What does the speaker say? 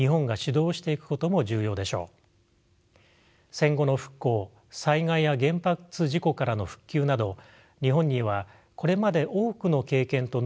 戦後の復興災害や原発事故からの復旧など日本にはこれまで多くの経験とノウハウを有しています。